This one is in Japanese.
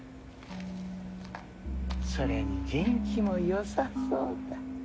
それに元気も良さそうだ。